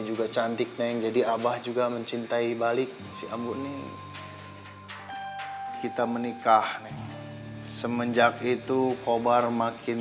juga cantik nih jadi abah juga mencintai balik si ambu nih kita menikah semenjak itu kobar makin